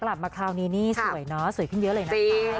กลับมาคราวนี้นี่สวยเนอะสวยขึ้นเยอะเลยนะคะ